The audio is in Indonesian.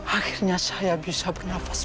akhirnya saya bisa bernafas